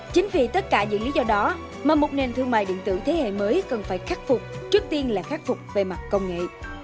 chính vì tất cả những lý do đó mà một nền thương mại điện tử thế hệ mới cần phải khắc phục trước tiên là khắc phục về mặt công nghệ